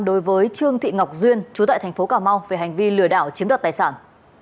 đối với trương thị ngọc duyên chú tại thành phố cà mau về hành vi lừa đảo chiếm đoạt tài sản